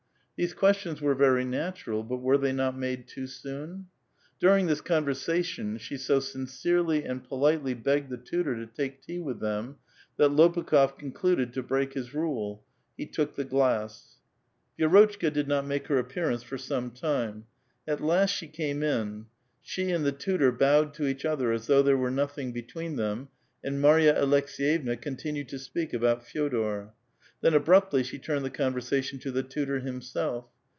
These questions were very natural, but were they not made too soon? During this conversation she so sin cerely and politely begged the tutor to take tea with them, that Lopukh6f concluded to break his rule ; he took the glass. Vi^rotchka did not make her appearance for some time. At last she came in ; she and the tutor bowed to each other as though there were nothing between them, and Marya Aleks6 jevna continued to speak about F.e6dor ; then abruptly she turned the (jonversation to the tutor himself.